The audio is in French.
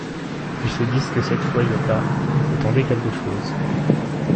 Ils se disent que cette fois, y’a pas, il faut tenter quelque chose.